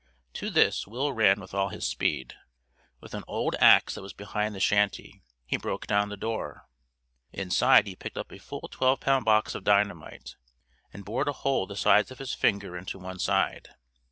To this Will ran with all his speed. With an old ax that was behind the shanty he broke down the door. Inside he picked up a full twelve pound box of dynamite, and bored a hole the size of his finger into one side.